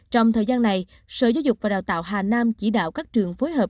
trong thời gian này sở giáo dục và đào tạo hà nam chỉ đạo các trường phối hợp